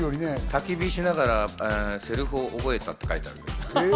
たき火をしながらセリフを覚えたって書いてある。